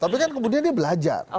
tapi kan kemudian dia belajar